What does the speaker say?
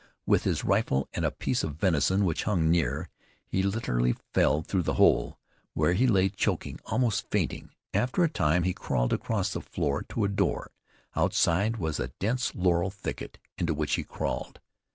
With his rifle, and a piece of venison which hung near, he literally fell through the hole, where he lay choking, almost fainting. After a time he crawled across the floor to a door. Outside was a dense laurel thicket, into which he crawled.